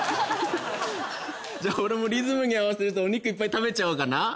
じゃあ俺もリズムに合わせるとお肉いっぱい食べちゃおうかな。